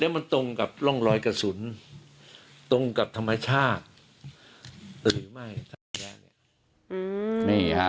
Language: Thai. แล้วมันตรงกับร่องร้อยกระสุนตรงกับธรรมชาติหรือไม่นี่ค่ะ